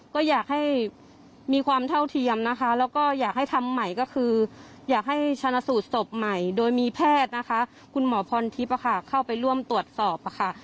ก็อยากให้มีความเท่าเทียมนะคะแล้วก็อยากให้ทำใหม่ก็คืออยากให้ชนะสูตรศพใหม่โดยมีแพทย์นะคะคุณหมอพรทิพย์เข้าไปร่วมตรวจสอบค่ะ